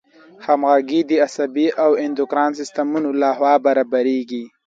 همغږي د عصبي او اندوکراین د سیستمونو له خوا برابریږي.